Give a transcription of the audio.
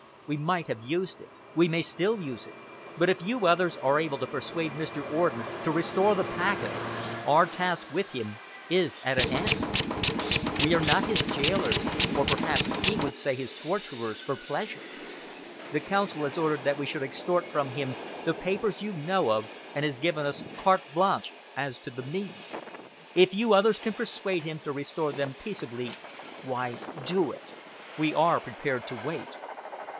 We might have used it we may still use it but if you others are able to persuade Mr. Orden to restore the packet, our task with him is at an end. We are not his gaolers or perhaps he would say his torturers for pleasure. The Council has ordered that we should extort from him the papers you know of and has given us carte blanche as to the means. If you others can persuade him to restore them peaceably, why, do it. We are prepared to wait."